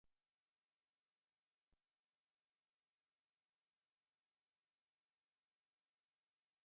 Ella també ho va entendre així quan fa unes setmanes li ho vam demanar.